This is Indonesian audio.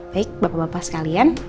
baik bapak bapak sekalian